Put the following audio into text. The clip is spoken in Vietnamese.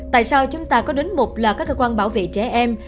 tại sao chúng ta có đến một loại các cơ quan bảo vệ trẻ em